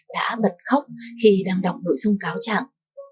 đã bật khóc khi đang đọc nội dung cáo trạng